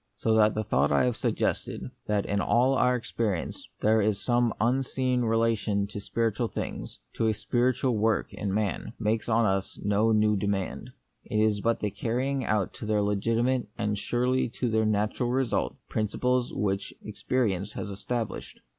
So that the thought I have suggested, that in all our experience there is some unseen re lation to spiritual things — to a spiritual work in man — makes on us no new demand. It is but the carrying out to their legitimate, and surely to their natural result, principles which experience has established.